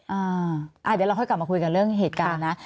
เดี๋ยวเราค่อยกลับมาคุยกันเรื่องเหตุการณ์นะ